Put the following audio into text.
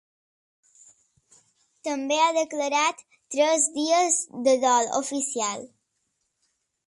També ha declarat tres dies de dol oficial.